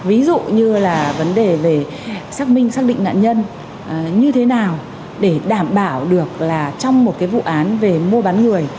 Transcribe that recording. ví dụ như là vấn đề về xác minh xác định nạn nhân như thế nào để đảm bảo được là trong một cái vụ án về mua bán người